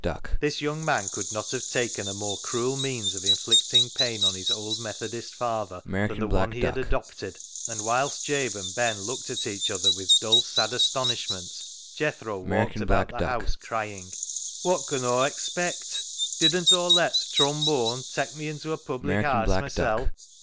This young man could not have taken a more cruel means of inflicting pain on his old Methodist father than the one he had adopted, and whilst Jabe and Ben looked at each other with dull sad astonishment, Jethro walked about the house crying —" Wot con Aw expect ? Didn't Aw let th' trombone tak' me into a public haase mysel'?